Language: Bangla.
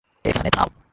এখানে থাম।